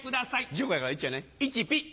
事故やから「１」やね「１」ピッ。